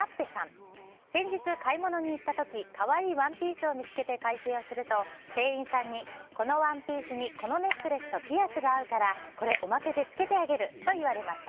先日、買い物に行った時可愛いワンピースを見つけて会計をすると、店員さんにこのワンピースにこのネックレスとピアスが合うからこれ、おまけでつけてあげると言われました。